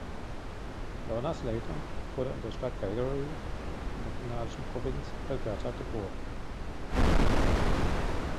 Lorna Slater wurde in der Stadt Calgary in der kanadischen Provinz Alberta geboren.